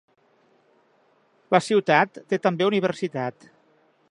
La ciutat té també universitat.